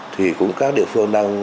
thì cũng các địa phương đang